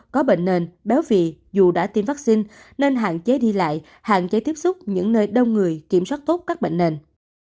có bệnh nền béo vị dù đã tiêm vaccine nên hạn chế đi lại hạn chế tiếp xúc những nơi đông người kiểm soát tốt các bệnh nền